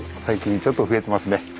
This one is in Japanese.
最近ちょっと増えてますね。